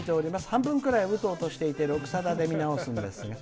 半分ぐらい、うとうとしていて「録さだ」で見直すんですが。